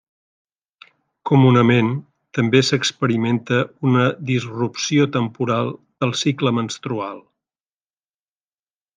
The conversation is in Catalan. Comunament també s'experimenta una disrupció temporal del cicle menstrual.